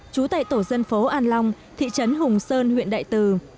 trú tại tổ dân phố an long thị trấn hùng sơn huyện đại từ